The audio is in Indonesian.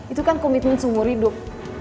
itu kan komitmen seumur hidup